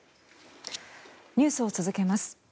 ニュースを続けます。